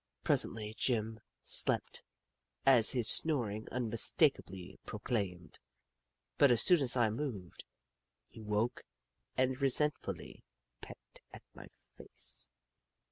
Presently, Jim slept, as his snoring unmistakably proclaimed, but as soon as I moved, he woke and resent fully pecked at my face.